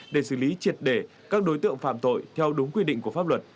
để xử lý triệt để các đối tượng phạm tội theo đúng quy định của pháp luật